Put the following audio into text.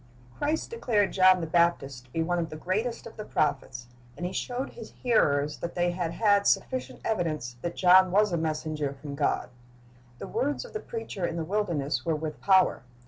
Christ declared John the Baptist to be one of the greatest of the prophets, and He showed His hearers that they had had sufficient evidence that John was a messenger from God. The words of the preacher in the wilderness were with power.